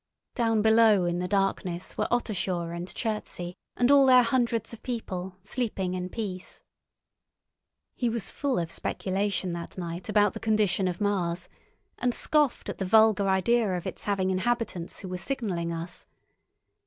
Down below in the darkness were Ottershaw and Chertsey and all their hundreds of people, sleeping in peace. He was full of speculation that night about the condition of Mars, and scoffed at the vulgar idea of its having inhabitants who were signalling us.